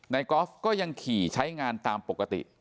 กอล์ฟก็ยังขี่ใช้งานตามปกติ